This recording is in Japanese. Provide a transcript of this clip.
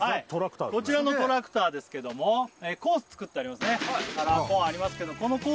こちらのトラクターですけどもコース作ってありますねカラー